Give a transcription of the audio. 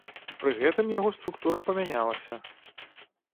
Пры гэтым яго структура памянялася.